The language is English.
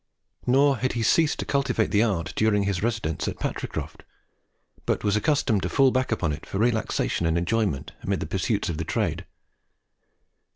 Nor had he ceased to cultivate the art during his residence at Patricroft, but was accustomed to fall back upon it for relaxation and enjoyment amid the pursuits of trade.